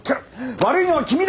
悪いのは君だ！